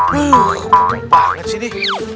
bungkuk banget sih ini